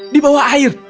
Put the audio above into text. di bawah air